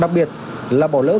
đặc biệt là bỏ lỡ xe ô tô